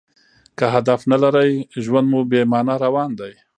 که هدف نه لرى؛ ژوند مو بې مانا روان دئ.